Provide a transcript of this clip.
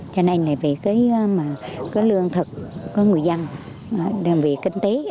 cho nên là vì cái lương thực của người dân đồng vị kinh tế